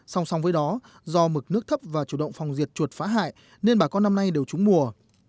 song song với đó do mực nước thấp và chủ động phòng diệt chuột phá hại nên bà con năm nay đều trúng mùa